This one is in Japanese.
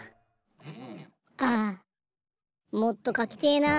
ああもっとかきてえな。